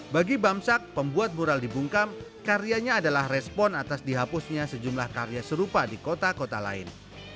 bagi bamsak pembuat mural dibungkam karyanya adalah respon atas dihapusnya sejumlah karya serupa di kota kota lain